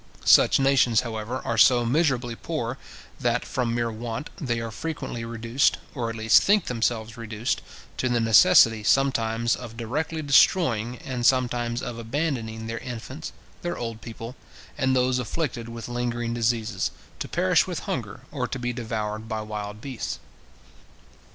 Such nations, however, are so miserably poor, that, from mere want, they are frequently reduced, or at least think themselves reduced, to the necessity sometimes of directly destroying, and sometimes of abandoning their infants, their old people, and those afflicted with lingering diseases, to perish with hunger, or to be devoured by wild beasts.